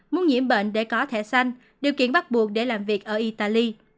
muốn nhiễm bệnh để có thể xanh điều kiện bắt buộc để làm việc ở italy